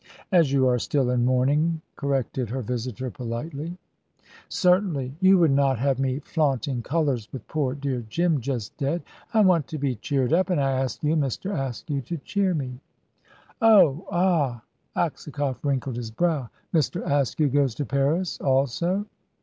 "As you are still in mourning," corrected her visitor, politely. "Certainly. You would not have me flaunting colours with poor dear Jim just dead. I want to be cheered up, and I ask you and Mr. Askew to cheer me." "Oh! ah!" Aksakoff wrinkled his brow. "Mr. Askew goes to Paris, also?"